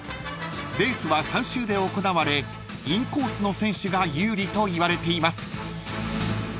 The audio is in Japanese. ［レースは３周で行われインコースの選手が有利といわれています］